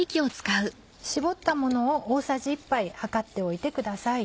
絞ったものを大さじ１杯量っておいてください。